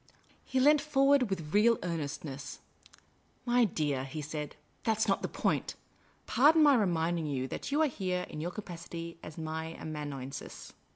He leant forward, with real earnestness. " My dear," he said, " that 's not the point. Pardon my reminding you that you are here in your capacity as my amanuensis.